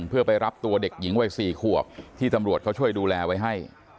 เพื่อไปรับตัวเด็กหญิงวัย๔ขวบที่ตำรวจเขาช่วยดูแลไว้ให้